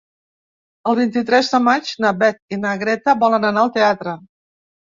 El vint-i-tres de maig na Beth i na Greta volen anar al teatre.